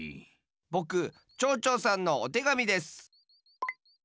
ぼくちょうちょうさんのおてがみです。